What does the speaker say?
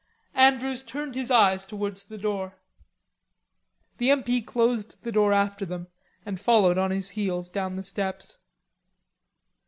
Andrews turned his eyes towards the door. The M. P. closed the door after them, and followed on his heels down the steps.